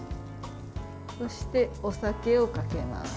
そして、お酒をかけます。